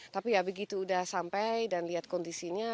tapi ya begitu udah sampai dan lihat kondisinya